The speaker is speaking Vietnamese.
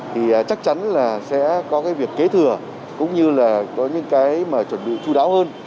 thì chắc chắn là sẽ có cái việc kế thừa cũng như là có những cái mà chuẩn bị chú đáo hơn